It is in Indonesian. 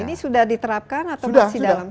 ini sudah diterapkan atau masih dalam